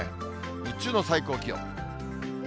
日中の最高気温。